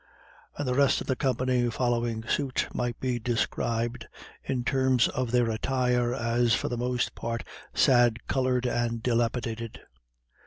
And the rest of the company following suit might be described in terms of their attire as for the most part sad coloured and dilapidated.